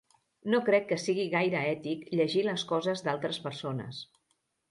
No crec que sigui gaire ètic llegir les coses d'altres persones.